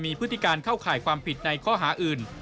มีพฤติการเข้าข่ายความผิดในข้อหาอื่น